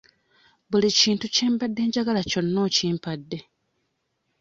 Buli kintu kye mbadde njagala kyonna okimpadde.